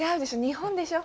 日本でしょ。